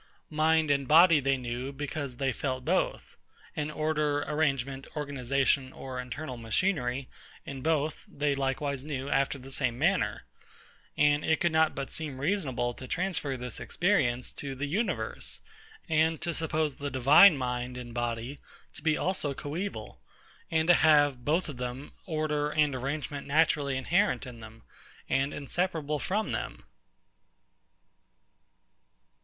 Mind and body they knew, because they felt both: an order, arrangement, organisation, or internal machinery, in both, they likewise knew, after the same manner: and it could not but seem reasonable to transfer this experience to the universe; and to suppose the divine mind and body to be also coeval, and to have, both of them, order and arrangement naturally inherent in them, and inseparable from them.